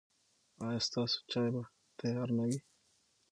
ایا ستاسو چای به تیار نه وي؟